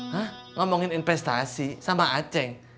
hah ngomongin investasi sama aceh